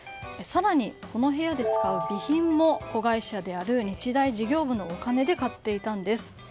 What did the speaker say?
更に、この部屋で使う備品も子会社である日大事業部のお金で買っていたんです。